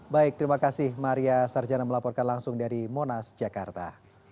baik terima kasih maria sarjana melaporkan langsung dari monas jakarta